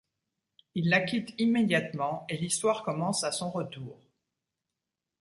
Il la quitte immédiatement et l’histoire commence à son retour.